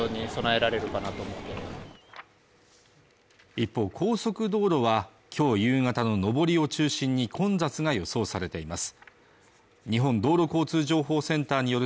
一方高速道路はきょう夕方の上りを中心に混雑が予想されています